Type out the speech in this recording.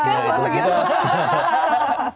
apa kayak itu sneakers